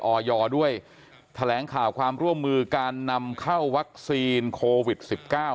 ออยด้วยแถลงข่าวความร่วมมือการนำเข้าวัคซีนโควิด๑๙